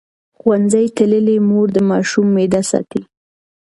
ښوونځې تللې مور د ماشوم معده ساتي.